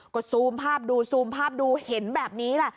ก็ซูมภาพดูซูมภาพดูเห็นแบบนี้แหละ